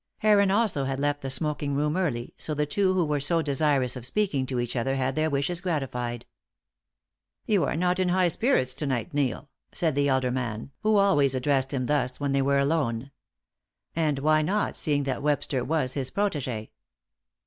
Heron also had left the smoking room early, so the two who were so desirous of speaking to each other had their wishes gratified. "You are not in spirits to night, Neil," the elder man, who always addressed him thus when they were alone. And why not, seeing that Webster was his protege?